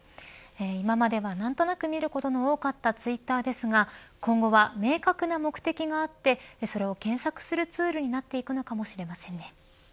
今までは何となく見ることの多かったツイッターですが今後は明確な目的があってそれを検索するツールになっていくのかもしれませんね。